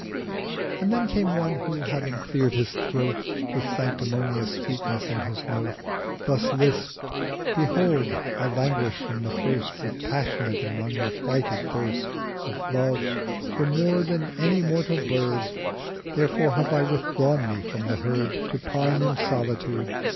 And then came one who having clear'd his Throat With sanctimonious Sweetness in his Note Thus lisp'd—'Behold I languish from the first With passionate and unrequited Thirst Of Love for more than any mortal Bird. 750 Therefore have I withdrawn me from the Herd To pine in Solitude.